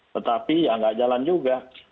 tetapi ya nggak jalan juga